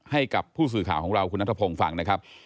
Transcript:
ให้กับผู้สื่อข่าวของเราคุณนัทพงศ์ฟังนะครับ